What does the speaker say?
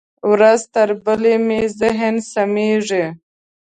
ورځ تر بلې مې ذهن سمېږي.